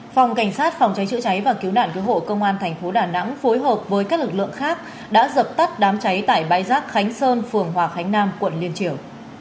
phòng cảnh sát phòng cháy chữa cháy và cứu nạn cứu hộ công an tp đà nẵng phối hợp với các lực lượng khác đã dập tắt đám cháy tại bãi giác khánh sơn phường hòa khánh nam quận liên triều